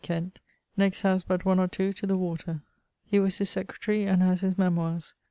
Kent, next house but one or two to the water: he was his secretary and has his memoires.